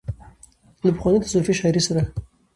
له پخوانۍ تصوفي شاعرۍ سره